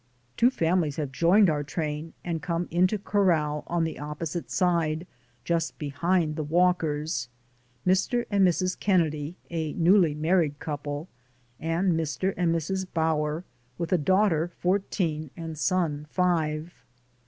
Two families have joined our train and come into corral on the opposite side, just behind the Walkers: Mr. and Mrs. Ken nedy — a newly married couple — and Mr. and Mrs. Bower, with a daughter fourteen and a son five.